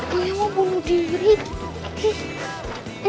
gue mah bunuh diri gitu